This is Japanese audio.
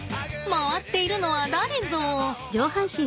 回っているのは誰ぞ？